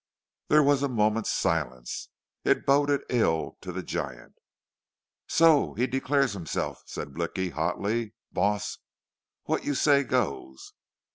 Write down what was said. There was a moment's silence. It boded ill to the giant. "So he declares himself," said Blicky, hotly. "Boss, what you say goes."